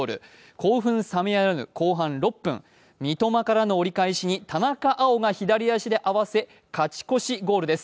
興奮冷めやらぬ後半６分、三笘からの折り返しに田中碧が左足で合わせ勝ち越しゴールです。